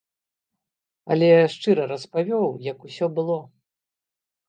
Але шчыра распавёў, як усё было.